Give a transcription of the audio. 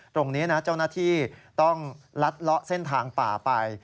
ตรงนี้จ้านาธิต้องลัดเลาะเส้นทางป่าไป